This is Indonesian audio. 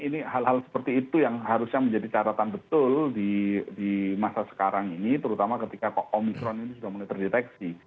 ini hal hal seperti itu yang harusnya menjadi catatan betul di masa sekarang ini terutama ketika omikron ini sudah mulai terdeteksi